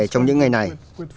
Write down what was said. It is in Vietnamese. trong những ngày này